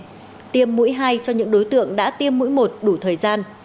bộ y tế đề nghị bí thư các tỉnh tiêm mũi hai cho những đối tượng đã tiêm mũi một đủ thời gian